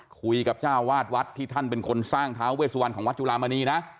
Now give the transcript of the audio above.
คุยกับเจ้าวาดวัดที่ท่านเป็นคนสร้างท้าเวสวันของวัดจุลามณีนะ